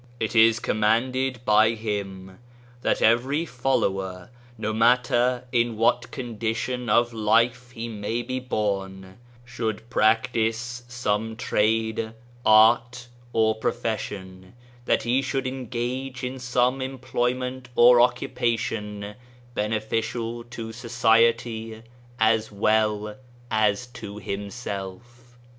It is commanded by him that every follower, no matter in what condition of life he may be born, should practice some trade, art or profession ; that he should engage in some em ployment or occupation beneficial to society as well as to himself.